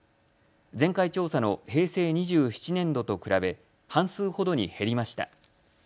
前回調査の平成２７年度と比べ半数ほどに減りました。